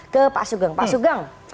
ke pak sugeng